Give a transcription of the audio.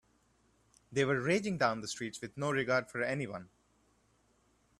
They were racing down the streets with no regard for anyone.